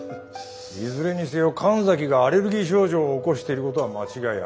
いずれにせよ神崎がアレルギー症状を起こしていることは間違いありません。